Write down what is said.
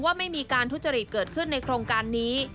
ไม่มีการทุจริตเกิดขึ้นในโครงการนี้